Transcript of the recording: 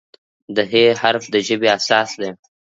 د "ه" حرف د ژبې اساس دی.